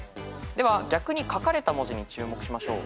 では逆に書かれた文字に注目しましょう。